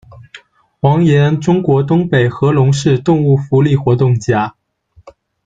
王岩，中国东北和龙市动物福利活动家。